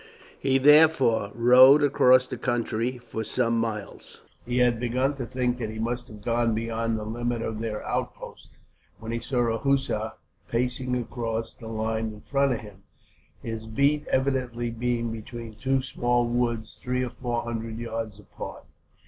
He therefore rode across the country for some miles. He had begun to think that he must have gone beyond the limit of their outposts, when he saw a hussar pacing across the line in front of him, his beat evidently being between two small woods three or four hundred yards apart.